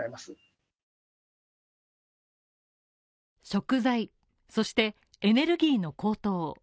食材、そしてエネルギーの高騰。